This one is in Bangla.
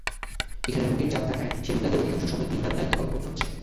এখানে রোগীর চাপ থাকায় সেবিকাদের অধিকাংশ সময় দিন-রাত দায়িত্ব পালন করতে হচ্ছে।